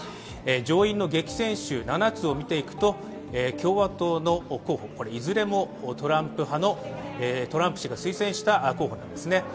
上院の激戦州７つを見ていくと共和党の候補、いずれもトランプ氏が推薦した候補なんですね